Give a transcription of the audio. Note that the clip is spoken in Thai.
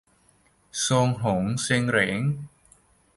โสรงโหรงเสรงเหรง